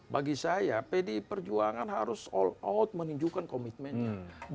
bagi saya pdi perjuangan harus all out menunjukkan komitmennya